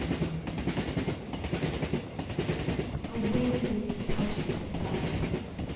SONG. Away with this poutJAg and sadness